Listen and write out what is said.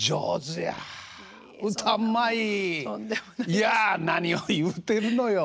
いや何を言うてるのよ。